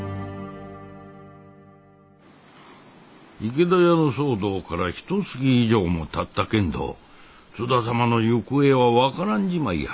池田屋の騒動からひとつき以上もたったけんど津田様の行方は分からんじまいや。